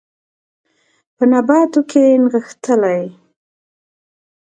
په نباتو کې نغښتلي